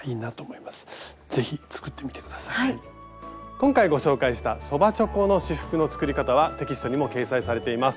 今回ご紹介したそばちょこの仕覆の作り方はテキストにも掲載されています。